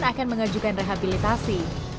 roro akan mengajukan rehabilitasi